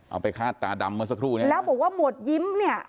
ไปคาดตาดำเมื่อสักครู่เนี้ยแล้วบอกว่าหมวดยิ้มเนี่ย